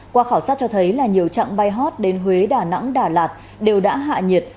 qua khảo sát cho thấy là nhiều trạng bay hot đến huế đà nẵng đà lạt đều đã hạ nhiệt